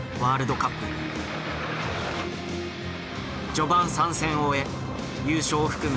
序盤３戦を終え優勝を含む